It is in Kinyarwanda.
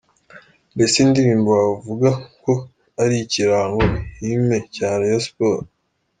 Mbese indirimbo wavuga ko ari ikirango ‘Hymne’ cya Rayon Sports”.